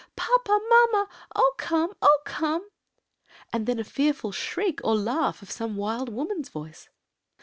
Papa! mamma! Oh, come! Oh, come!' and then a fearful shriek or laugh of some wild woman's voice.